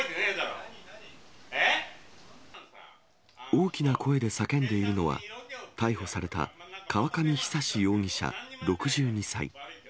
大きな声で叫んでいるのは、逮捕された、河上久容疑者６２歳。